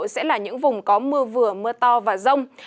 sẽ là những vùng có mưa vừa mưa to và rông